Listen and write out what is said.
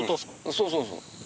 そうそうそう。